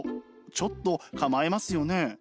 ちょっと構えますよね。